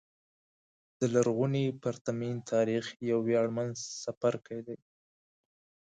د لرغوني پرتمین تاریخ یو ویاړمن څپرکی دی.